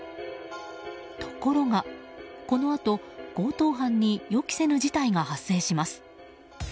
ところが、このあと強盗犯に予期せぬ事態が発生します。